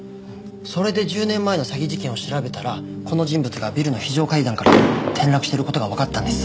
それで１０年前の詐欺事件を調べたらこの人物がビルの非常階段から転落している事がわかったんです。